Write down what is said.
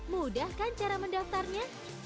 mudah kan cara mendaftarnya